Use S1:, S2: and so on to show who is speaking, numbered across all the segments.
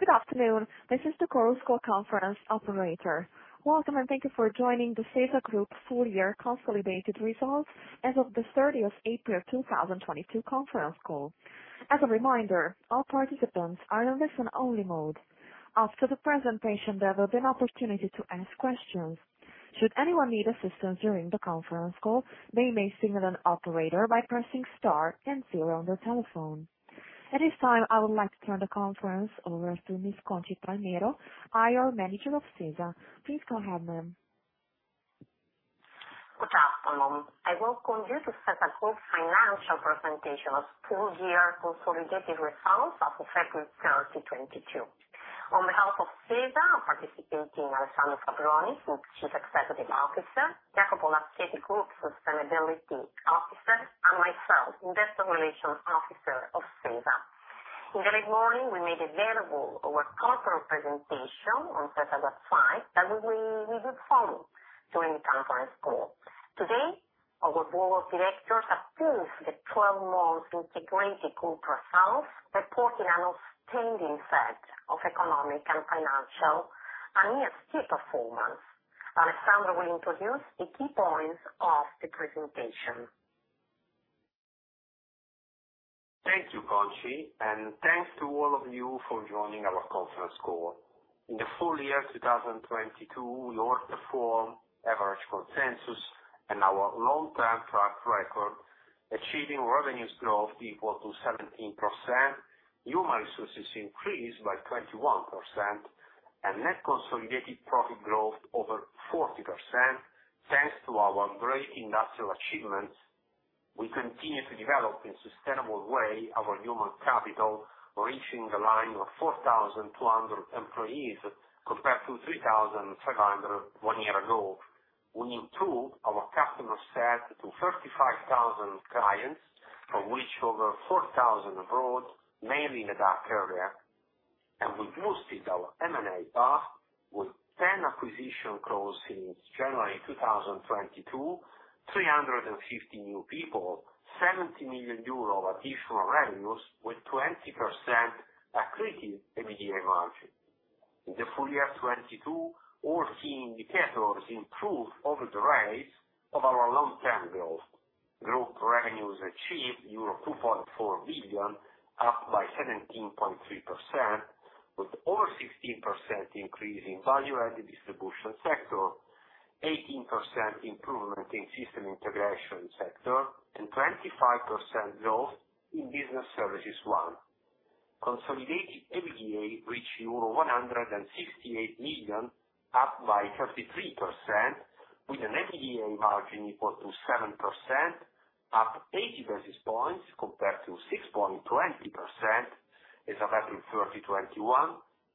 S1: Good afternoon. This is the Chorus Call conference operator. Welcome, and thank you for joining the SeSa Group full year consolidated results as of the thirtieth April two thousand twenty-two conference call. As a reminder, all participants are in listen only mode. After the presentation, there will be an opportunity to ask questions. Should anyone need assistance during the conference call, they may signal an operator by pressing star then zero on their telephone. At this time, I would like to turn the conference over to Ms. Conxi Palmero, IR Manager of SeSa. Please go ahead, ma'am.
S2: Good afternoon. I welcome you to SeSa Group Financial Presentation of Full Year Consolidated Results as of April 30, 2022. On behalf of SeSa, participating Alessandro Fabbroni, who's Chief Executive Officer, Jacopo Laschetti, Group Sustainability Officer, and myself, Investor Relations Officer of SeSa. In the morning, we made available our corporate presentation on SeSa site that we will review following during the conference call. Today, our board of directors approved the 12 months integrated group results, reporting an outstanding set of economic and financial and ESG performance. Alessandro will introduce the key points of the presentation.
S3: Thank you, Conxi, and thanks to all of you for joining our conference call. In the full year 2022, we outperformed average consensus and our long-term track record, achieving revenue growth equal to 17%, human resources increased by 21%, and net consolidated profit growth over 40%, thanks to our great industrial achievements. We continue to develop in sustainable way our human capital, reaching the line of 4,200 employees compared to 3,500 one year ago. We improved our customer set to 35,000 clients, of which over 4,000 abroad, mainly in the DACH area. We boosted our M&A path with 10 acquisition closings January 2022, 350 new people, 70 million euro of additional revenues with 20% accretive EBITDA margin. In the full year 2022, all key indicators improved over the rates of our long-term goals. Group revenues achieved euro 2.4 billion, up by 17.3%, with over 16% increase in value-added distribution sector, 18% improvement in system integration sector, and 25% growth in business services one. Consolidated EBITDA reached euro 168 million, up by 33%, with an EBITDA margin equal to 7%, up 80 basis points compared to 6.20% as of April 30, 2021.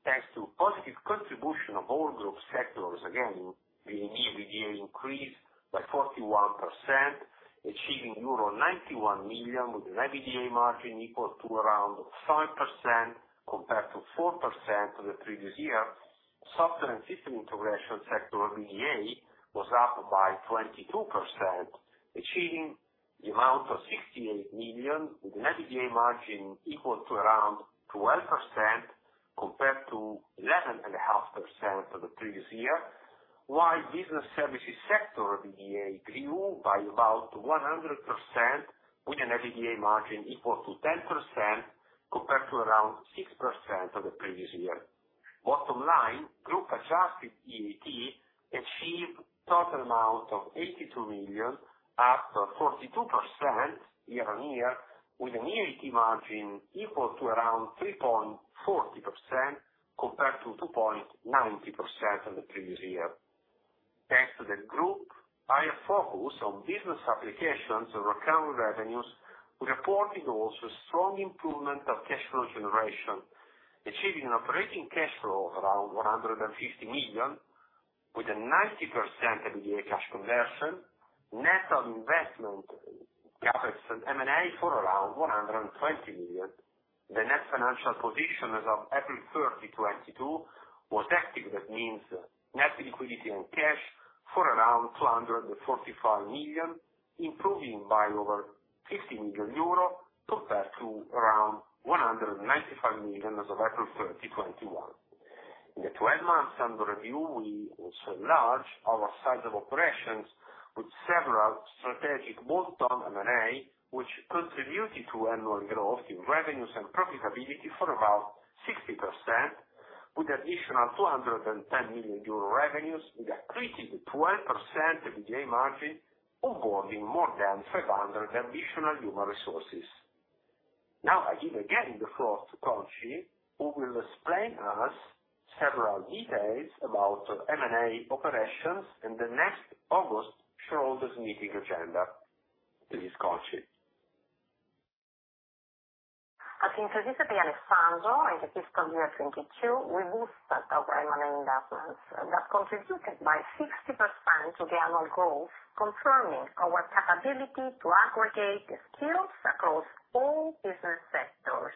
S3: Thanks to positive contribution of all group sectors, the EBITDA increased by 41%, achieving euro 91 million, with an EBITDA margin equal to around 5% compared to 4% the previous year. Software and System Integration sector EBITDA was up by 22%, achieving the amount of 68 million, with an EBITDA margin equal to around 12% compared to 11.5% for the previous year. While Business Services sector EBITDA grew by about 100%, with an EBITDA margin equal to 10% compared to around 6% for the previous year. Bottom line, group adjusted EBIT achieved total amount of 82 million, up 42% year-on-year, with an EBIT margin equal to around 3.40% compared to 2.90% for the previous year. Thanks to the group's higher focus on business applications recurrent revenues, we reported also strong improvement of cash flow generation, achieving an operating cash flow of around 150 million, with a 90% EBITDA cash conversion. Net of investment CapEx and M&A for around 120 million. The net financial position as of April 30, 2022 was active. That means net liquidity and cash for around 245 million, improving by over 50 million euro compared to around 195 million as of April 30, 2021. In the 12 months under review, we also enlarged our size of operations with several strategic bolt-on M&A, which contributed to annual growth in revenues and profitability for about 60%, with additional 210 million euro revenues with accretive 12% EBITDA margin, onboarding more than 500 additional human resources. Now, I give again the floor to Conxi Palmero, who will explain us several details about M&A operations and the next August shareholders meeting agenda. Please, Conxi Palmero.
S2: As introduced by Alessandro, in the fiscal year 2022, we boosted our M&A investments that contributed by 60% to the annual growth, confirming our capability to aggregate skills across all business sectors.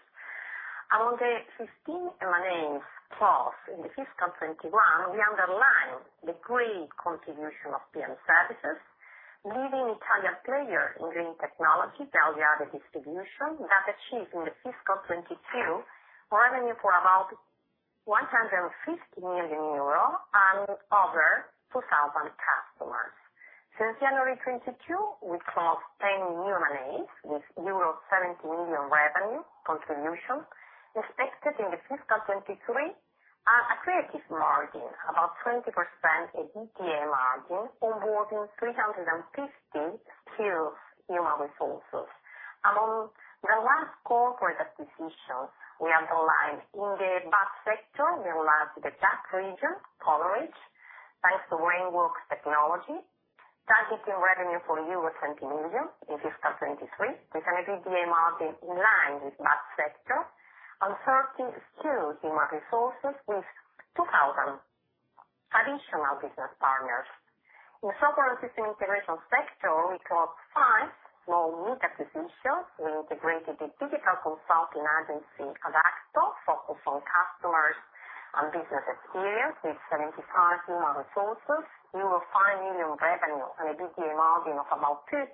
S2: [inaudible] In the fiscal 2021, we underlined the great contribution of PM Service, leading Italian player in green technology, Value Added Distribution that achieved in the fiscal 2022 revenue for about 150 million euro and over 2,000 customers. Since January 2022, we closed 10 new M&As with euro 70 million revenue contribution, expected in the fiscal 2023, and accretive margin, about 20% EBITDA margin, onboarding 350 skilled human resources. Among the last corporate acquisitions, we undertook in the VAD Sector. We launched the DACH region coverage, thanks to Brainworks Technology, targeting revenue for euro 20 million in fiscal 2023, with an EBITDA margin in line with VAD Sector, and 30 skilled human resources with 2,000 additional business partners. In software and system integration sector, we closed 5 small M&A acquisitions. We integrated the digital consulting agency, Adacto, focusing customers on business experience with 75 human resources, 5 million revenue and an EBITDA margin of about 30%.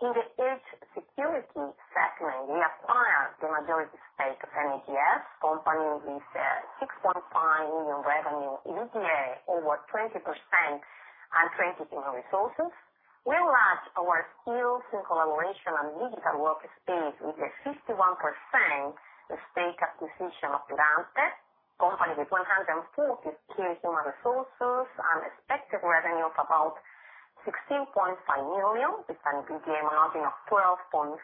S2: In the cybersecurity segment, we acquired the majority stake of NEF, company with 6.5 million revenue, EBITDA over 20% and 20 human resources. We launched our skills in collaboration and digital workspace with a 51% stake acquisition of Datef, company with 140 skilled human resources and expected revenue of about 16.5 million, with an EBITDA margin of 12.5%.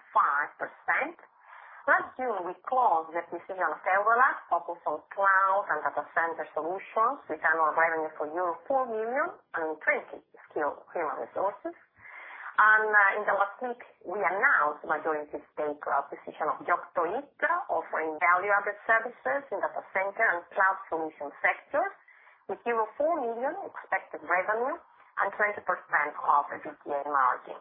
S2: Last June, we closed the acquisition of Everlast, focused on cloud and data center solutions, with annual revenue of 4 million and 20 skilled human resources. In the last week, we announced majority stake acquisition of Giotto IT, offering valuable services in data center and cloud solution sectors, with 4 million expected revenue and 20% EBITDA margin.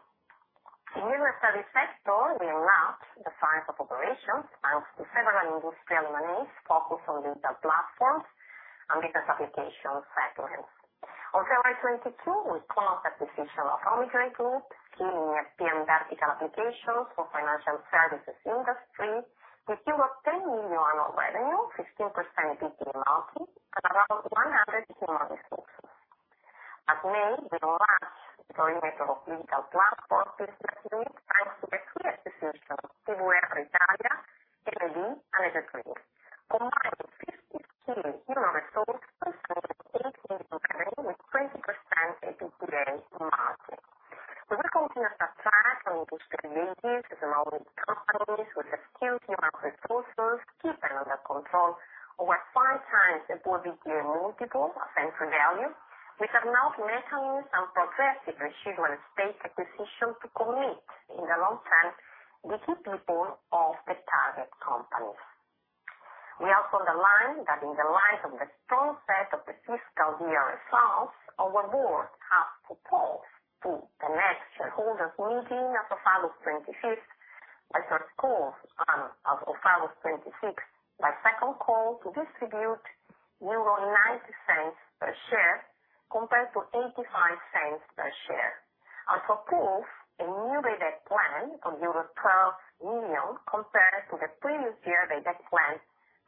S2: In university sector, we enhanced the science of operations and several industrial companies focused on digital platforms and business applications platforms. On February 22, we closed acquisition of Omigrade Group, key vertical applications for financial services industry, with 10 million annual revenue, 15% EBITDA margin, and around 100 human resources. In May, we launched the deployment of digital platform business unit and the three acquisitions, CUBER Italia, MDE, and E3, combining 50 skilled human resources with 18 in training, with 20% EBITDA margin. We continue to acquire from industry leaders with mid-market companies with skilled human resources, keeping under control over 5x EBITDA multiple central value. We now have mechanisms and progressive residual stake acquisition to commit in the long term with the people of the target companies. We underline that in the light of the strong results of the fiscal year, our board have proposed to the next shareholders meeting as of August 26th, by second call, to distribute 0.90 per share compared to 0.85 per share, and propose a new Stock Grant Plan of euro 12 million compared to the previous year Stock Grant Plan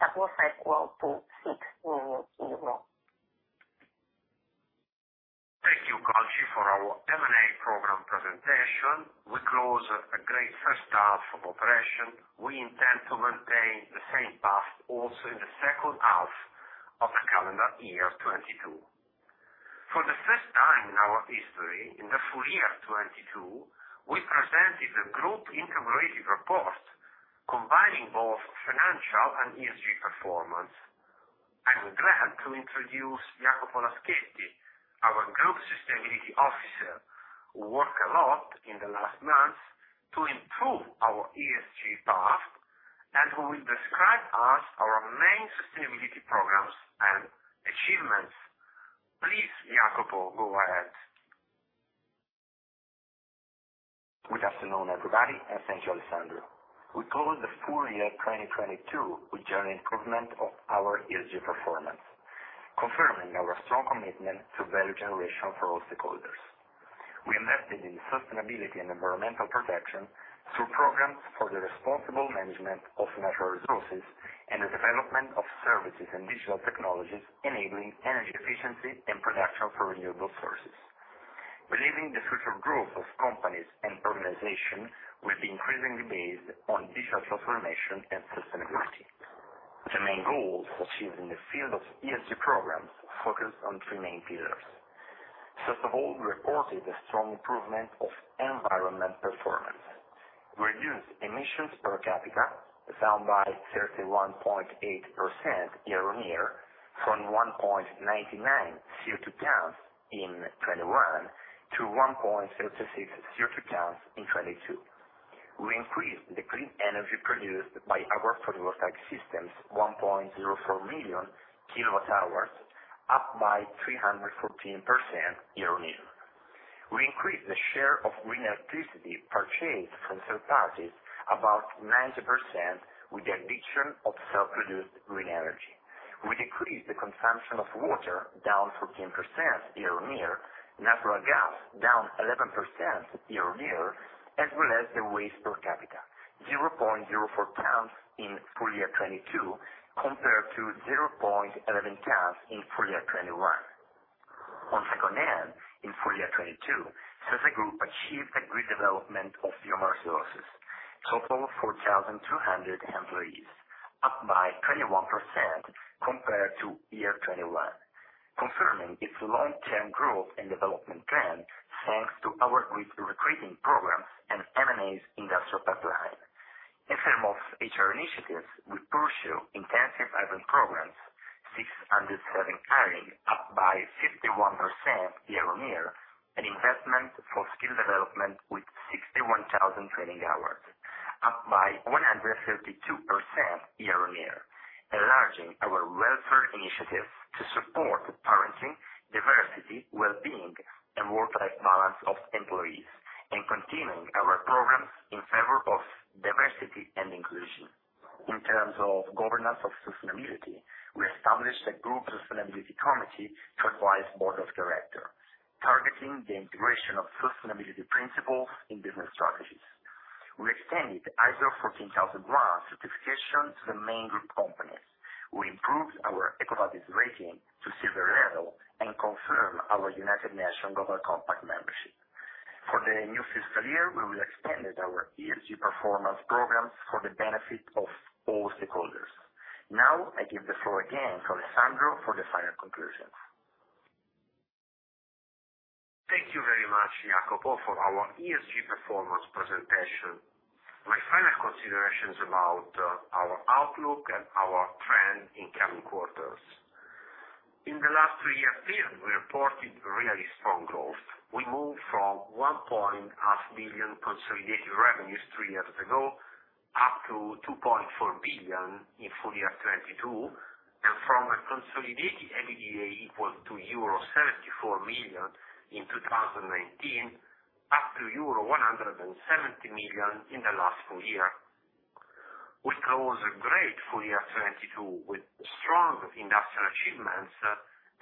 S2: that was equal to 6 million euro.
S3: Thank you, Conxi Palmero, for our M&A program presentation. We closed a great first half of operation. We intend to maintain the same path also in the second half of calendar year 2022. For the first time in our history, in the full year 2022, we presented the group integrated report combining both financial and ESG performance. I'm glad to introduce Jacopo Laschetti, our Group Sustainability Officer, who work a lot in the last months to improve our ESG path and who will describe us our main sustainability programs and achievements. Please, Jacopo, go ahead.
S4: Good afternoon, everybody, and thank you, Alessandro. We closed the full year 2022 with general improvement of our ESG performance, confirming our strong commitment to value generation for all stakeholders. We invested in sustainability and environmental protection through programs for the responsible management of natural resources and the development of services and digital technologies, enabling energy efficiency and production for renewable sources, believing the future growth of companies and organizations will be increasingly based on digital transformation and sustainability. The main goals achieved in the field of ESG Programs focused on three main pillars. First of all, we reported a strong improvement of environmental performance. Reduced emissions per capita down by 31.8% year-on-year, from 1.99 CO2 tons in 2021 to 1.36 CO2 tons in 2022. We increased the clean energy produced by our photovoltaic systems 1.04 million kWh, up by 314% year-on-year. We increased the share of green electricity purchased from third parties about 90% with the addition of self-produced green energy. We decreased the consumption of water, down 14% year-on-year, natural gas down 11% year-on-year, as well as the waste per capita 0.04 tons in full year 2022 compared to 0.11 tons in full year 2021. On second end, in full year 2022, SeSa Group achieved a great development of human resources, total 4,200 employees, up by 21% compared to year 2021. Concerning its long term growth and development plan, thanks to our quick recruiting programs and M&As industrial pipeline. In terms of HR initiatives, we pursue intensive talent programs, 607 hiring, up by 51% year-on-year, an investment for skill development with 61,000 training hours, up by 152% year-on-year, enlarging our welfare initiatives to support parenting, diversity, well-being and work-life balance of employees and continuing our programs in favor of diversity and inclusion. In terms of governance of sustainability, we established a group sustainability committee to advise board of directors, targeting the integration of sustainability principles in business strategies. We extended ISO 14001 certification to the main group companies. We improved our EcoVadis rating to silver level and confirmed our United Nations Global Compact membership. For the new fiscal year, we will extend our ESG performance programs for the benefit of all stakeholders. Now, I give the floor again to Alessandro for the final conclusions.
S3: Thank you very much, Jacopo, for our ESG performance presentation. My final considerations about our outlook and our trend in coming quarters. In the last three years period, we reported really strong growth. We moved from 1.5 billion consolidated revenues three years ago, up to 2.4 billion in full year 2022, and from a consolidated EBITDA equal to euro 74 million in 2019 up to euro 170 million in the last full year. We close a great full year 2022 with strong industrial achievements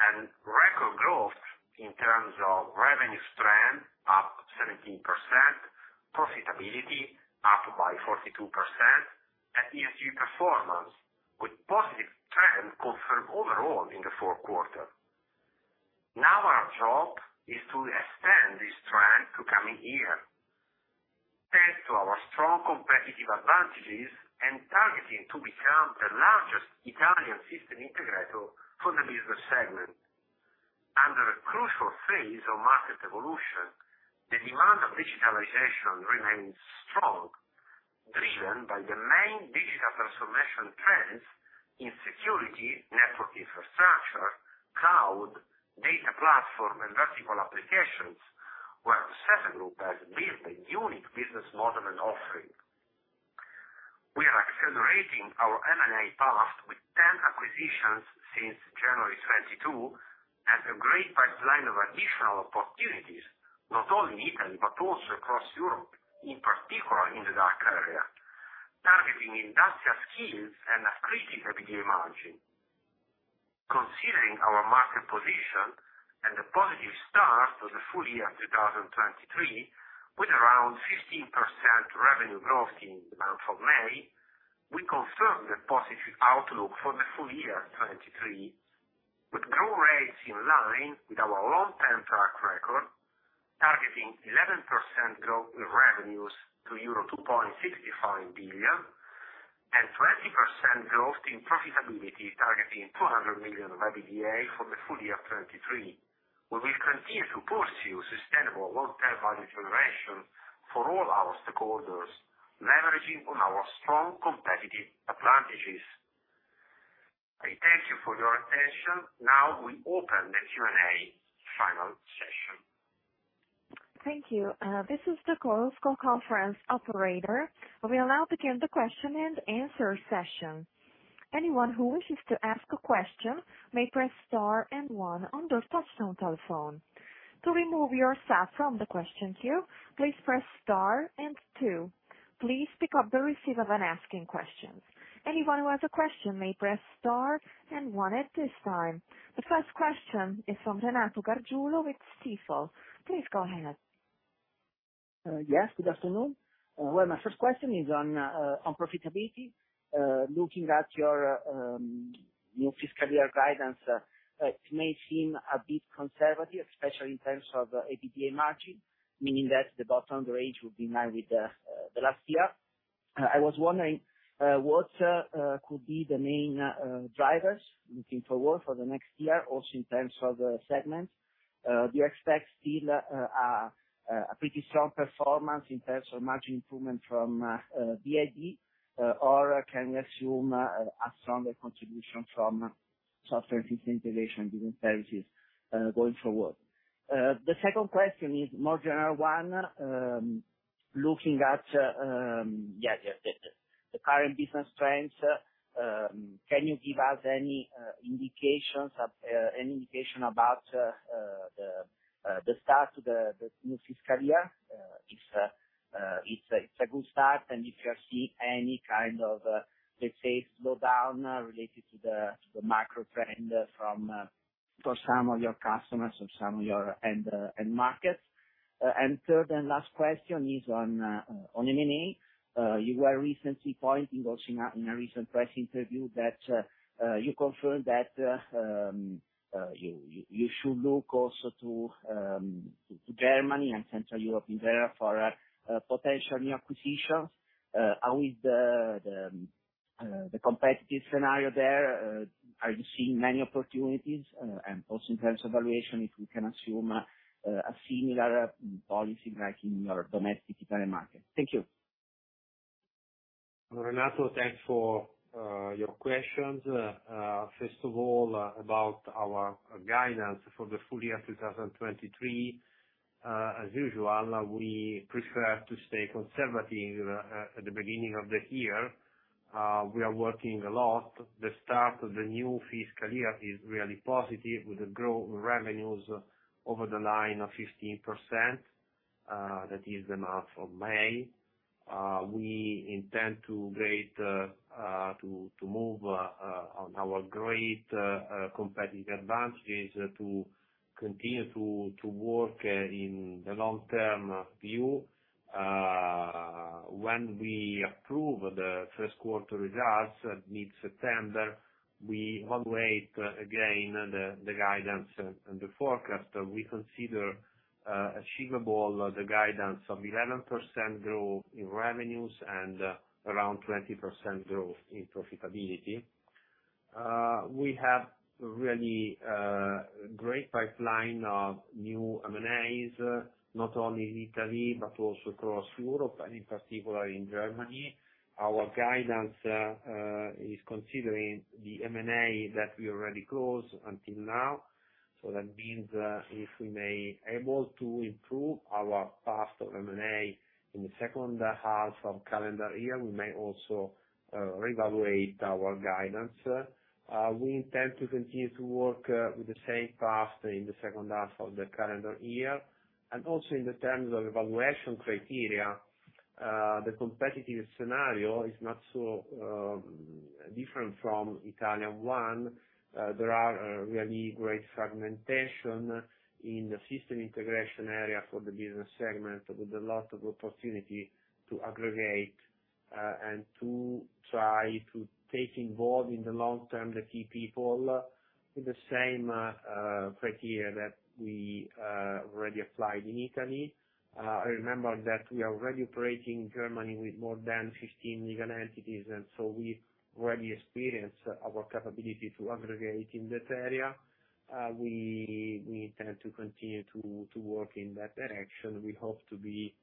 S3: and record growth in terms of revenue strength, up 17%, profitability up by 42% and ESG performance with positive trend confirmed overall in the fourth quarter. Now, our job is to extend this trend to coming year, thanks to our strong competitive advantages and targeting to become the largest Italian system integrator for the middle segment. Under a crucial phase of market evolution, the demand of digitalization remains strong, driven by the main digital transformation trends in security, network infrastructure, cloud, data platform and vertical applications, where SeSa Group has built a unique business model and offering. We are accelerating our M&A path with 10 acquisitions since January 2022 and a great pipeline of additional opportunities, not only in Italy, but also across Europe, in particular in the DACH area, targeting industrial skills and a critical EBITDA margin. Considering our market position and a positive start to the full year 2023, with around 15% revenue growth in the month of May, we confirm the positive outlook for the full year 2023, with growth rates in line with our long term track record, targeting 11% growth in revenues to euro 2.65 billion and 20% growth in profitability, targeting 200 million of EBITDA for the full year 2023. We will continue to pursue sustainable long term value generation for all our stakeholders, leveraging on our strong competitive advantages. I thank you for your attention. Now, we open the Q&A final session.
S1: Thank you. This is the conference call operator. We'll now begin the question and answer session. Anyone who wishes to ask a question may press star and one on their touchtone telephone. To remove yourself from the question queue, please press star and two. Please pick up the receiver when asking questions. Anyone who has a question may press star and one at this time. The first question is from Renato Gargiulo with Stifel. Please go ahead.
S5: Yes, good afternoon. Well, my first question is on profitability. Looking at your fiscal year guidance, it may seem a bit conservative, especially in terms of EBITDA margin, meaning that the bottom range will be in line with the last year. I was wondering what could be the main drivers looking forward for the next year, also in terms of the segments. Do you expect still a pretty strong performance in terms of margin improvement from VAD, or can we assume a stronger contribution from Software System Integration services going forward? The second question is more general one. Looking at the current business trends, can you give us any indication about the start to the new fiscal year? If it's a good start, and if you are seeing any kind of, let's say, slowdown related to the macro trend for some of your customers or some of your end markets. Third and last question is on M&A. You were recently pointing also in a recent press interview that you confirmed that you should look also to Germany and Central Europe in there for potential new acquisitions. How is the competitive scenario there? Are you seeing many opportunities, and also in terms of valuation, if we can assume a similar policy like in your domestic Italian market? Thank you.
S3: Renato, thanks for your questions. First of all, about our guidance for the full year 2023, as usual, we prefer to stay conservative at the beginning of the year. We are working a lot. The start of the new fiscal year is really positive with growth in revenues of over 15%, that is the month of May. We intend to leverage our competitive advantages to continue to work in the long-term view. When we approve the first quarter results mid-September, we evaluate again the guidance and the forecast. We consider achievable the guidance of 11% growth in revenues and around 20% growth in profitability. We have really great pipeline of new M&As, not only in Italy, but also across Europe and in particular in Germany. Our guidance is considering the M&A that we already closed until now, so that means, if we may able to improve our path of M&A in the second half of calendar year, we may also reevaluate our guidance. We intend to continue to work with the same path in the second half of the calendar year. Also in the terms of evaluation criteria, the competitive scenario is not so different from Italian one. There are really great fragmentation in the system integration area for the business segment, with a lot of opportunity to aggregate and to try to take on board in the long term, the key people with the same criteria that we already applied in Italy. I remember that we are already operating in Germany with more than 15 legal entities, and so we already experience our capability to aggregate in that area. We intend to continue to work in that direction. We hope to be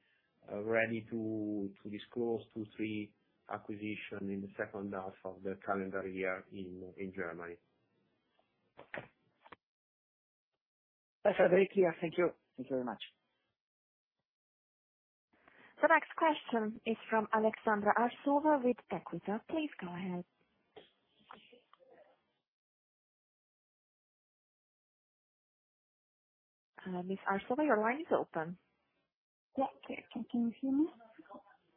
S3: ready to disclose 2-3 acquisitions in the second half of the calendar year in Germany.
S5: That's very clear. Thank you. Thank you very much.
S1: The next question is from Aleksandra Arsova with Equita. Please go ahead. Miss Arsova, your line is open.
S6: Yeah. Can you hear me?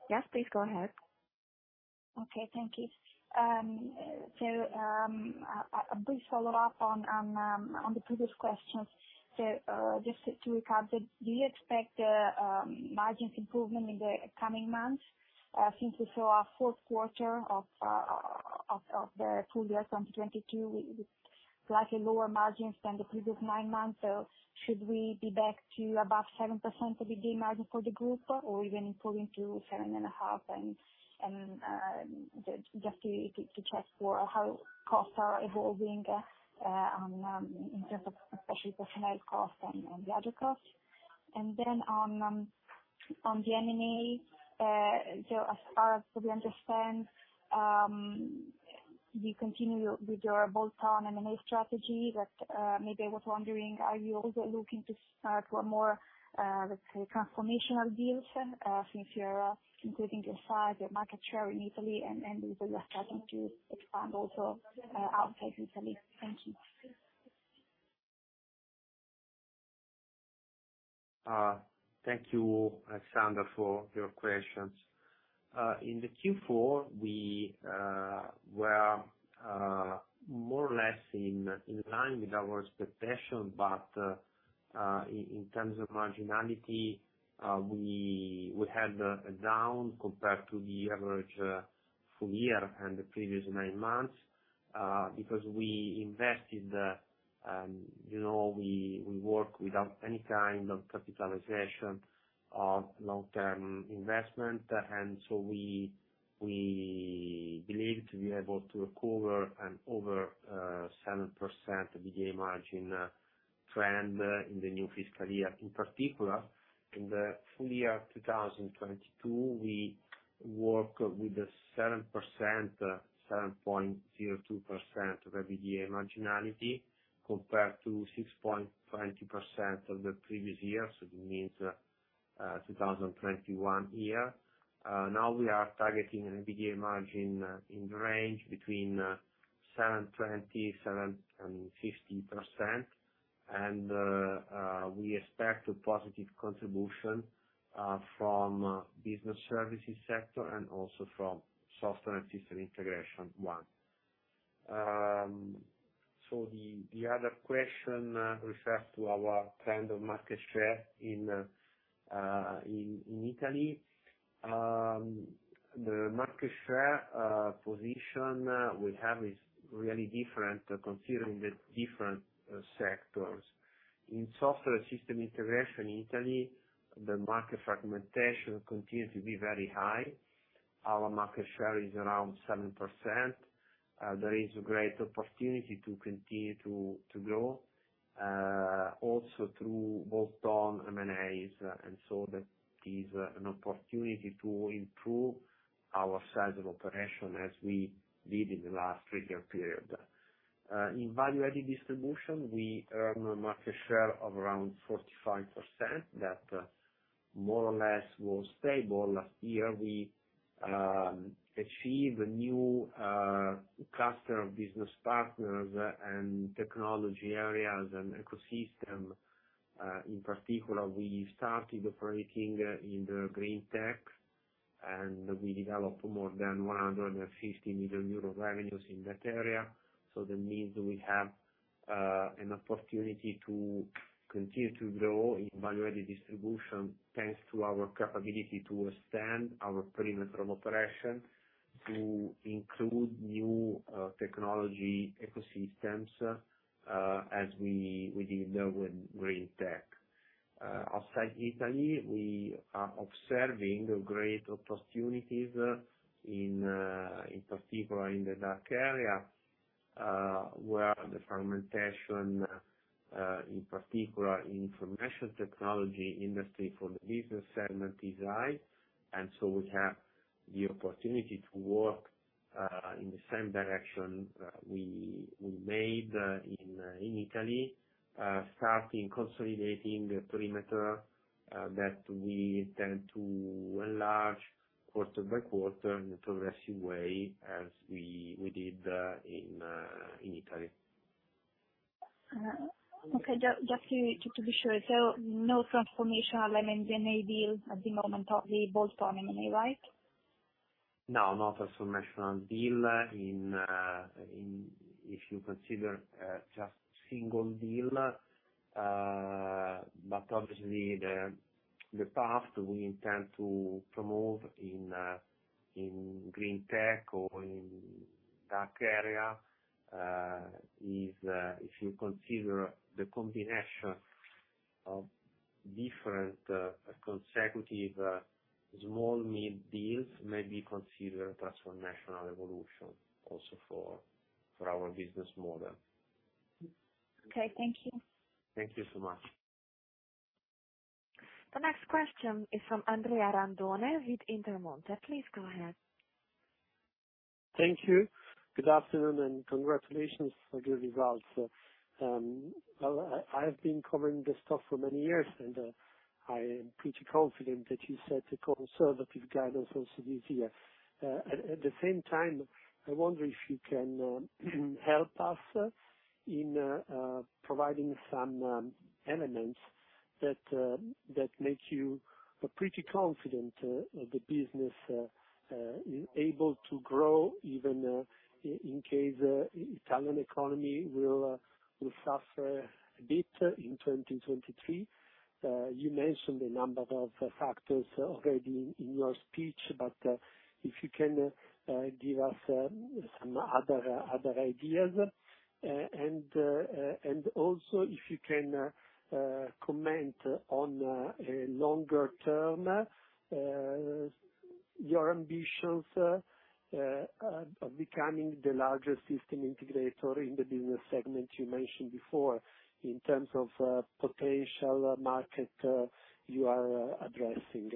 S1: Yes, please go ahead.
S6: Okay, thank you. A brief follow-up on the previous questions. Just to recap, do you expect margins improvement in the coming months, since we saw a fourth quarter of the full year 2022 with slightly lower margins than the previous nine months? Should we be back to about 7% EBITDA margin for the group or even improving to 7.5%? Just to check for how costs are evolving in terms of especially personnel costs and the other costs. On the M&A, as far as we understand, you continue with your bolt-on M&A strategy, but maybe I was wondering, are you also looking to start more, let's say, transformational deals, since you are increasing the size, your market share in Italy and you are starting to expand also outside Italy? Thank you.
S3: Thank you, Aleksandra, for your questions. In the Q4, we were more or less in line with our expectation. In terms of marginality, we had a down compared to the average full year and the previous nine months, because we invested, you know, we work without any kind of capitalization of long-term investment. We believe to be able to recover an over 7% EBITDA margin trend in the new fiscal year. In particular, in the full year 2022, we work with a 7.02% EBITDA marginality compared to 6.20% of the previous year. It means 2021 year. Now we are targeting an EBITDA margin in the range between 7.27% and 7.5%. We expect a positive contribution from Business Services sector and also from Software and System Integration. The other question refers to our trend of market share in Italy. The market share position we have is really different, considering the different sectors. In Software and System Integration in Italy, the market fragmentation continues to be very high. Our market share is around 7%. There is a great opportunity to continue to grow also through bolt-on M&As, and that is an opportunity to improve our size of operation as we did in the last three-year period. In value-added distribution, we earn a market share of around 45%, that more or less was stable. Last year we achieved a new cluster of business partners and technology areas and ecosystem. In particular, we started operating in the green tech, and we developed more than 150 million euro revenues in that area. That means we have an opportunity to continue to grow in value-added distribution, thanks to our capability to extend our perimeter of operation to include new technology ecosystems, as we did there with green tech. Outside Italy, we are observing great opportunities in particular in the DACH area, where the fragmentation in particular in information technology industry for the business segment is high. We have the opportunity to work in the same direction that we made in Italy, starting consolidating the perimeter that we tend to enlarge quarter by quarter in a progressive way, as we did in Italy.
S6: Okay. Just to be sure. No transformational M&A deal at the moment, only bolt-on M&A, right?
S3: No, not transformational deal in. If you consider just single deal. Obviously the path we intend to promote in green tech or in DACH area is if you consider the combination of different consecutive small-mid deals may be considered transformational evolution also for our business model.
S6: Okay, thank you.
S3: Thank you so much.
S1: The next question is from Andrea Randone with Intermonte. Please go ahead.
S7: Thank you. Good afternoon and congratulations for the results. Well, I have been covering this stuff for many years, and I am pretty confident that you set a conservative guidance also this year. At the same time, I wonder if you can help us in providing some elements that make you pretty confident the business is able to grow even in case Italian economy will suffer a bit in 2023. You mentioned a number of factors already in your speech, but if you can give us some other ideas. Also, if you can comment on a longer term your ambitions of becoming the largest system integrator in the business segment you mentioned before, in terms of potential market you are addressing.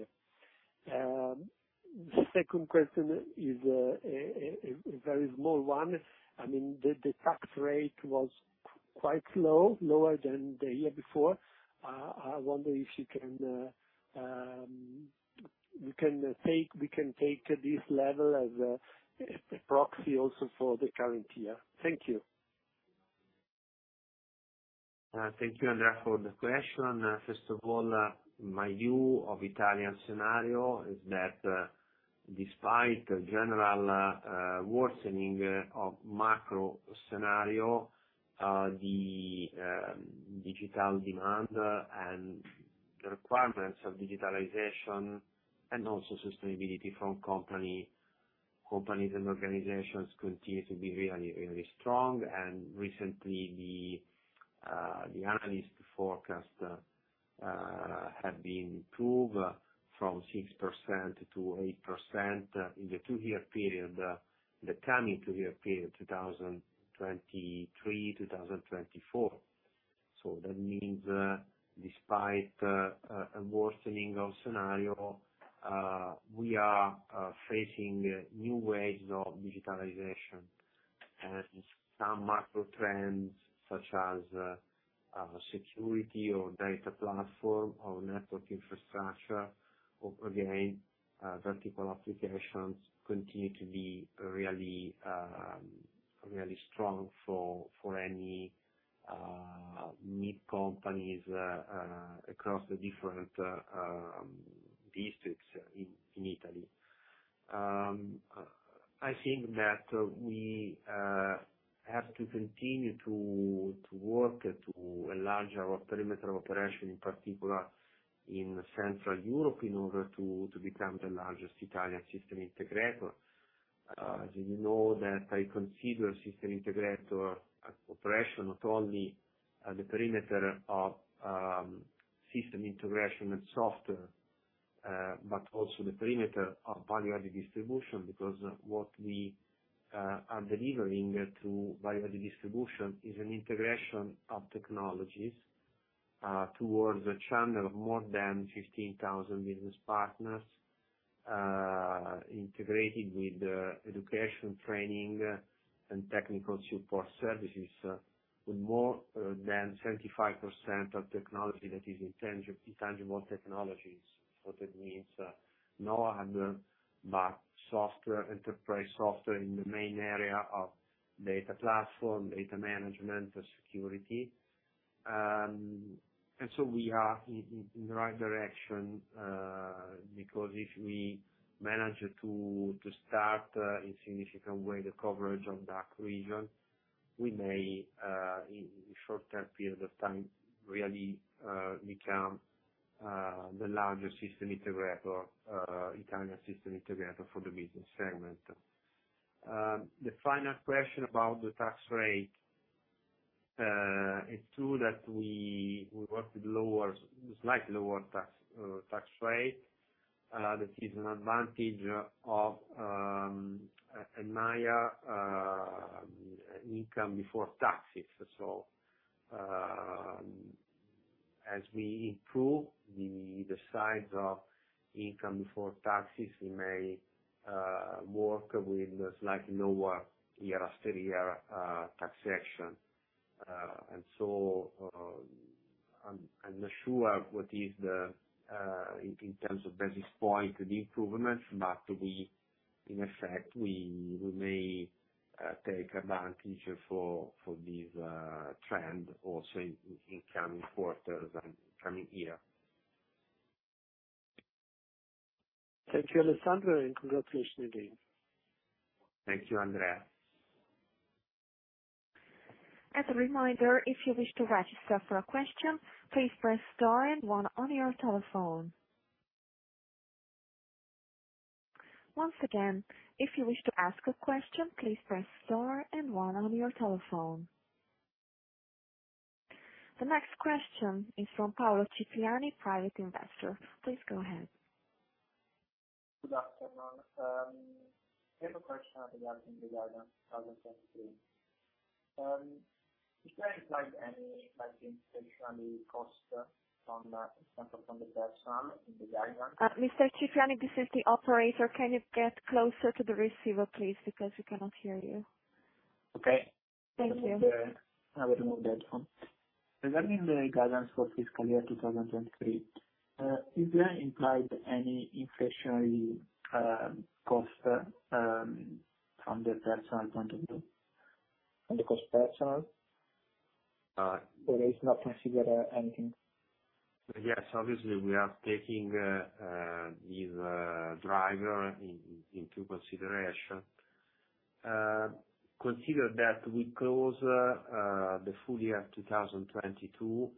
S7: The second question is a very small one. I mean, the tax rate was quite low, lower than the year before. I wonder if we can take this level as a proxy also for the current year. Thank you.
S3: Thank you, Andrea, for the question. First of all, my view of Italian scenario is that, despite general worsening of macro scenario, the digital demand and the requirements of digitalization and also sustainability from companies and organizations continue to be really, really strong. Recently the analyst forecast have been improved from 6% to 8% in the two-year period, the coming two-year period, 2023, 2024. That means, despite a worsening of scenario, we are facing new waves of digitalization. Some macro trends such as security or data platform or network infrastructure, or again vertical applications continue to be really, really strong for any mid companies across the different districts in Italy. I think that we have to continue to work to enlarge our perimeter of operation, in particular in central Europe, in order to become the largest Italian system integrator. As you know that I consider system integrator as operation, not only the perimeter of system integration and software, but also the perimeter of value-added distribution, because what we are delivering to value-added distribution is an integration of technologies towards a channel of more than 15,000 business partners, integrated with education training and technical support services, with more than 75% of technology that is intangible technologies. That means no other but software, enterprise software in the main area of data platform, data management, security. We are in the right direction, because if we manage to start in significant way the coverage on that region, we may in short term period of time really become the largest system integrator Italian system integrator for the business segment. The final question about the tax rate, it's true that we worked with slightly lower tax rate. That is an advantage of a higher income before taxes. As we improve the size of income before taxes, we may work with a slightly lower year after year taxation. I'm not sure what the improvements are in terms of basis points, but we in effect may take advantage of this trend also in coming quarters and coming year.
S7: Thank you, Alessandro, and congratulations again.
S3: Thank you, Andrea.
S1: As a reminder, if you wish to register for a question, please press star and one on your telephone. Once again, if you wish to ask a question, please press star and one on your telephone. The next question is from Paolo Cipriani, private investor. Please go ahead.
S8: Good afternoon. I have a question regarding the guidance 2023. Is there any implied, like, inflationary cost from, for example, from the personnel in the guidance?
S1: Mr. Cipriani, this is the operator. Can you get closer to the receiver, please, because we cannot hear you.
S8: Okay.
S1: Thank you.
S8: Let me remove the headphone. Regarding the guidance for fiscal year 2023, is there implied any inflationary cost from the personnel point of view? On the cost personnel?
S3: Uh.
S8: Is not considered anything?
S3: Yes. Obviously, we are taking this driver into consideration. Consider that we close the full year 2022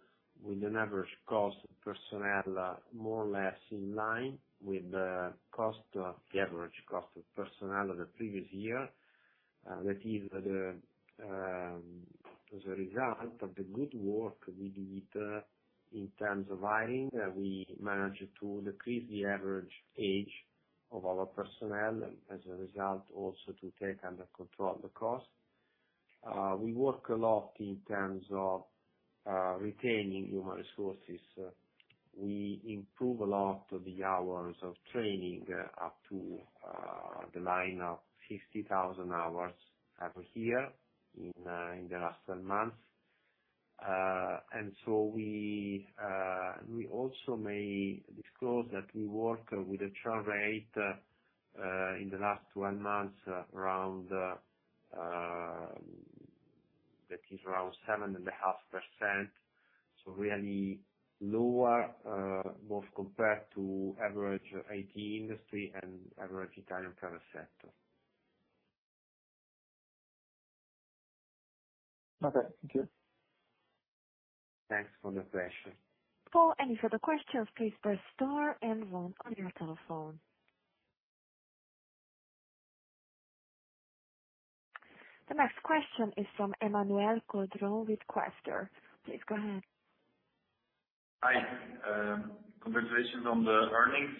S3: with an average cost personnel more or less in line with the average cost of personnel of the previous year. That is as a result of the good work we did in terms of hiring. We managed to decrease the average age of our personnel and as a result, also to take under control the cost. We work a lot in terms of retaining human resources. We improve a lot of the hours of training up to the line of 50,000 hours every year in the last twelve months. We also may disclose that we work with a churn rate in the last 12 months around, that is, around 7.5%. Really lower both compared to average IT industry and average Italian telecom sector.
S8: Okay. Thank you.
S3: Thanks for the question.
S1: For any further questions, please press star and one on your telephone. The next question is from Emmanuel Carlier with Quaestor. Please go ahead.
S9: Hi, congratulations on the earnings.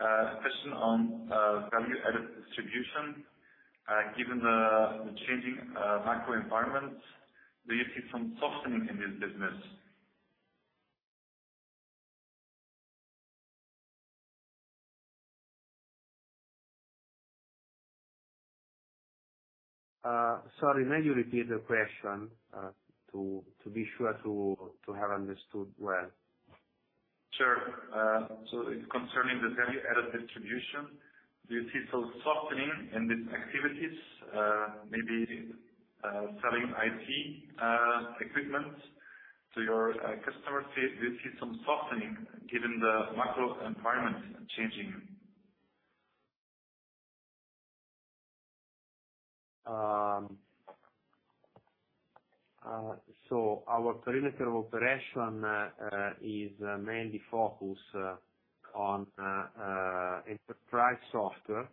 S9: A question on value-added distribution. Given the changing macro environment, do you see some softening in this business?
S3: Sorry, may you repeat the question, to be sure to have understood well.
S9: Sure. Concerning the Value Added Distribution, do you see some softening in these activities, maybe selling IT equipment to your customers? Do you see some softening given the macro environment changing?
S3: Our perimeter of operation is mainly focused on enterprise software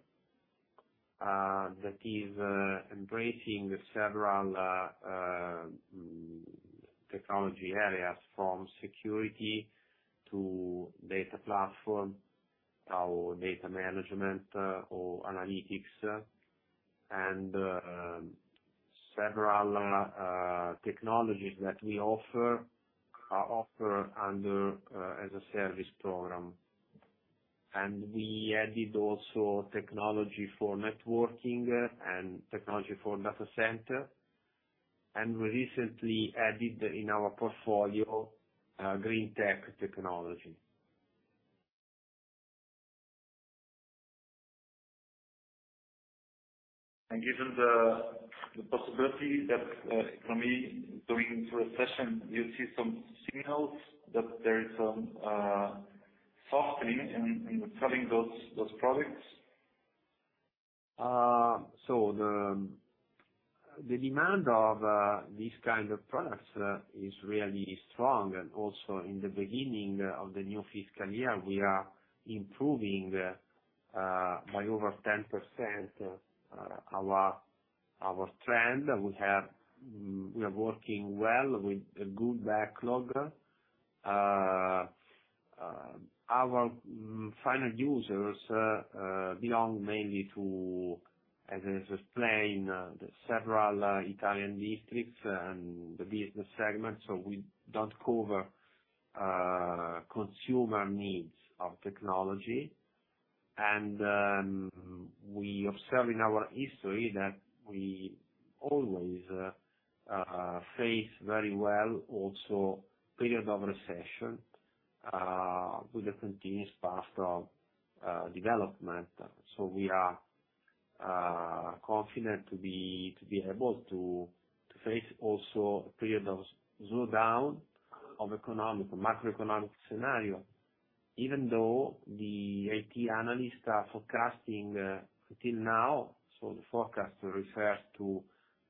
S3: that is embracing several technology areas from security to data platform or data management or analytics. Several technologies that we offer are offered under as a service program. We added also technology for networking and technology for data center. We recently added in our portfolio green tech technology.
S9: Given the possibility that the economy going through a recession, do you see some signals that there is some softening in selling those products?
S3: The demand of these kind of products is really strong. Also in the beginning of the new fiscal year, we are improving by over 10% our trend. We are working well with a good backlog. Our end users belong mainly to, as I explained, the several Italian districts and the business segments, so we don't cover consumer needs of technology. We observe in our history that we always face very well also period of recession with a continuous path of development. We are confident to be able to face also a period of slowdown of economic macroeconomic scenario, even though the IT analysts are forecasting until now, so the forecast refers to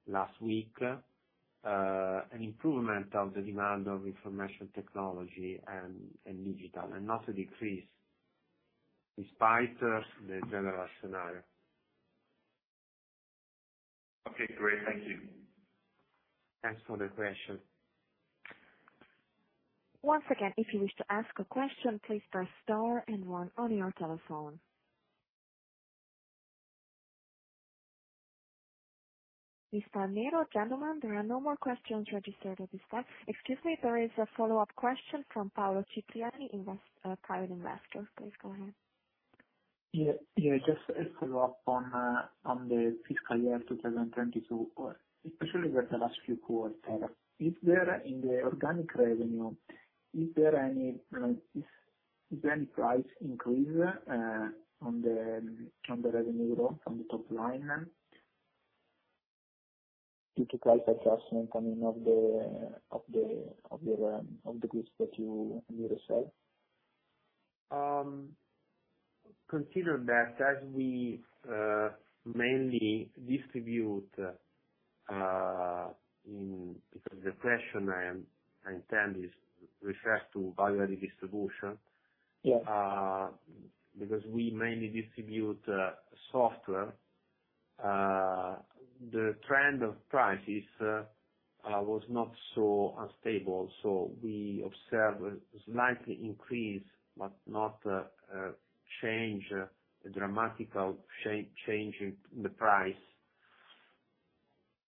S3: last week, an improvement of the demand of information technology and digital, and not a decrease, despite the general scenario.
S9: Okay, great. Thank you.
S3: Thanks for the question.
S1: Once again, if you wish to ask a question, please press star and one on your telephone. Mr. Fabbroni, gentlemen, there are no more questions registered at this time. Excuse me, there is a follow-up question from Paolo Cipriani, private investor. Please go ahead.
S8: Yeah. Yeah, just a follow-up on the fiscal year 2022, or especially with the last few quarters. Is there, in the organic revenue, any, you know, price increase on the revenue from the top line? Due to price adjustment, I mean, of the goods that you receive.
S3: Considering that as we mainly distribute. Because the question, I understand, this refers to value-added distribution.
S8: Yeah.
S3: Because we mainly distribute software. The trend of prices was not so unstable. We observed a slight increase, but not a change, a dramatic change in the price.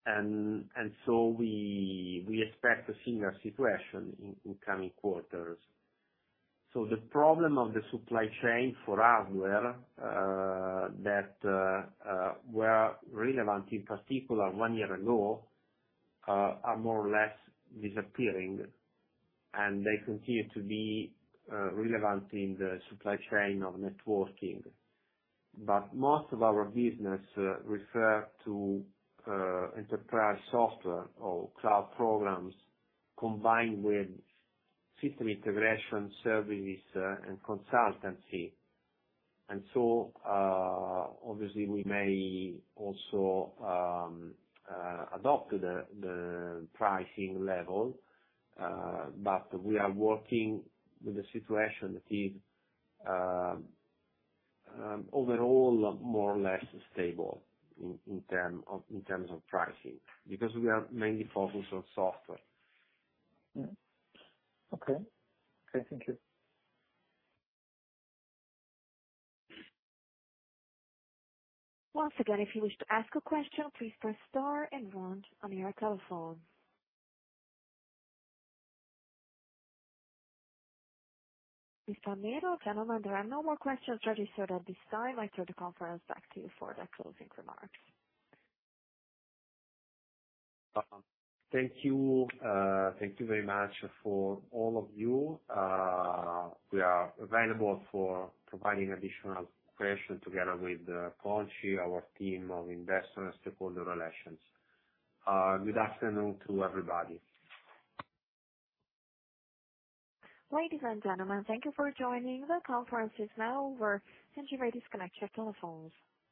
S3: We expect a similar situation in coming quarters. The problem of the supply chain for hardware that were relevant in particular one year ago are more or less disappearing, and they continue to be relevant in the supply chain of networking. Most of our business refer to enterprise software or cloud programs combined with system integration services and consultancy. Obviously we may also adopt the pricing level, but we are working with the situation that is overall more or less stable in terms of pricing, because we are mainly focused on software.
S8: Okay. Okay. Thank you.
S1: Once again, if you wish to ask a question, please press star and one on your telephone. Mr. Fabbroni, gentlemen, there are no more questions registered at this time. I turn the conference back to you for the closing remarks.
S3: Thank you. Thank you very much for all of you. We are available for providing additional questions together with Conxi, our team of Investor and Stakeholder Relations. Good afternoon to everybody.
S1: Ladies and gentlemen, thank you for joining. The conference is now over. Thank you. You may disconnect your telephones.